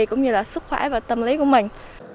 cũng như là sức khỏe và tâm lý của mình